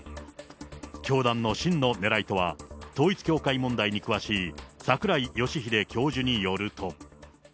教団の真のねらいとは、統一教会問題に詳しい櫻井義秀教授によると。